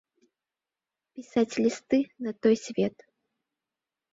Пісаць лісты на той свет!